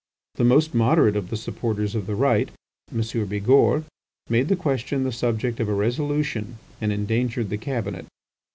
The most moderate of the supporters of the Right, M. Bigourd, made the question the subject of a resolution and endangered the Cabinet.